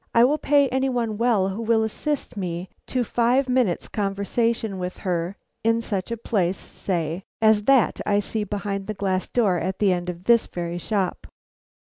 I will pay any one well who will assist me to five minutes' conversation with her in such a place, say, as that I see behind the glass door at the end of this very shop."